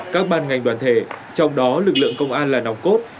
các ban ngành đoàn thể trong đó lực lượng công an là nòng cốt